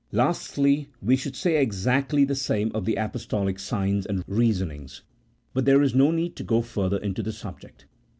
Lastly, we should say exactly the same of the apostolic signs and reasonings, but there is no need to go further into the subject.